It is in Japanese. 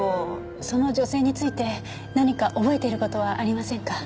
その女性について何か覚えている事はありませんか？